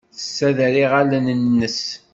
Tessader iɣallen-nnes.